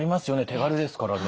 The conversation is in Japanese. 手軽ですからね。